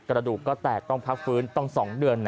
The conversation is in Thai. กระดูกก็แตกต้องพักฟื้นต้อง๒เดือน